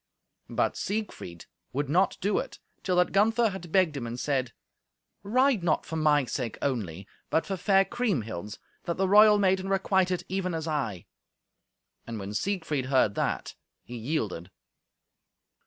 But Siegfried would not do it till that Gunther had begged him and said, "Ride not for my sake only, but for fair Kriemhild's, that the royal maiden requite it, even as I." And when Siegfried heard that, he yielded.